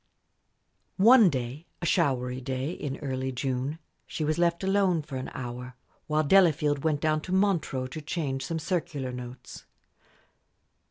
One day a showery day in early June she was left alone for an hour, while Delafield went down to Montreux to change some circular notes.